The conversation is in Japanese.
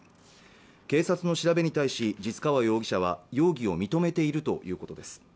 警察の調べに対し実川容疑者は容疑を認めているということです